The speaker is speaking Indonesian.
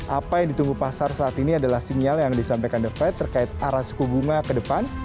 apa yang ditunggu pasar saat ini adalah sinyal yang disampaikan the fed terkait arah suku bunga ke depan